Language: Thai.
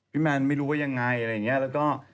แมนไม่รู้ว่ายังไงอะไรอย่างนี้แล้วก็